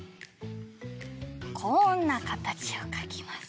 こんなかたちをかきます。